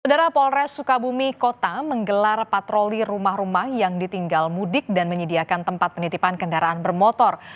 udara polres sukabumi kota menggelar patroli rumah rumah yang ditinggal mudik dan menyediakan tempat penitipan kendaraan bermotor